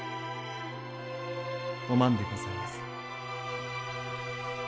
お万でございます。